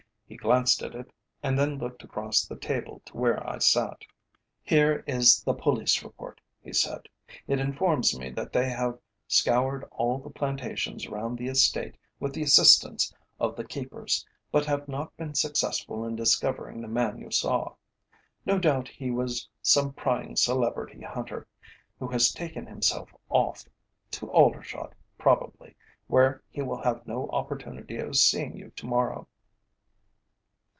He glanced at it and then looked across the table to where I sat. "Here is the police report," he said. "It informs me that they have scoured all the plantations round the estate with the assistance of the keepers, but have not been successful in discovering the man you saw. No doubt he was some prying celebrity hunter, who has taken himself off, to Aldershot probably, where he will have no opportunity of seeing you to morrow."